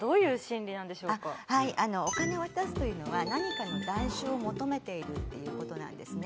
お金を渡すというのは何かの代償を求めているっていう事なんですね。